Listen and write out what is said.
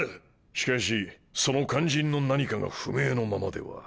しかしその肝心の何かが不明のままでは。